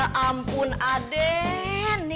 gw kesana dulu